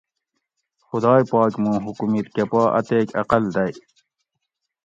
خُدائ پاک مُوں حکومِت کہ پا اتیک عقل دئ